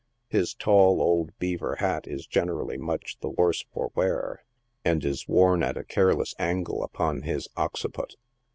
His tall old " beaver" hat is generally much the worse for wear, and is worn at a careless angle upon his occiput.